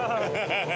ハハハ